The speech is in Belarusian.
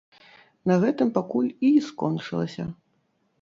На гэтым пакуль і скончылася.